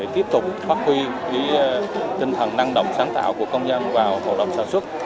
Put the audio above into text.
tiếp tục phát huy tinh thần năng động sáng tạo của công nhân vào hộ động sản xuất